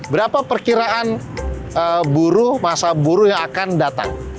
berapa perkiraan buruh masa buruh yang akan datang